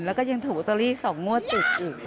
แล้วก็ยังถูกลอตเตอรี่๒งวดติดอีก